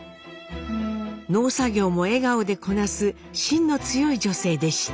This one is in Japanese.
農作業も笑顔でこなすしんの強い女性でした。